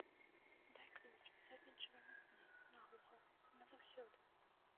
Дай ключ, завінчвай мацней, наглуха, назаўсёды.